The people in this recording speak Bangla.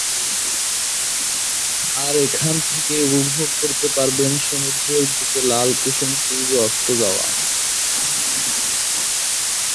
আর এখান থেকেই উপভোগ করতে পারবেন সমুদ্রের বুকে লাল কুসুম সূর্য অস্ত যাওয়া।